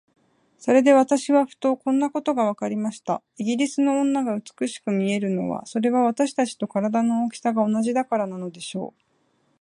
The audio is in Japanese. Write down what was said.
それで私はふと、こんなことがわかりました。イギリスの女が美しく見えるのは、それは私たちと身体の大きさが同じだからなのでしょう。